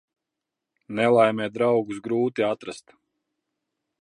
Nelaimē draugus grūti atrast.